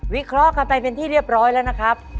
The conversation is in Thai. วิเคลอกลับไปเป็นที่เรียบร้อยแล้วนะครับ